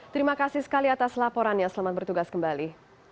terima kasih sekali atas laporannya selamat bertugas kembali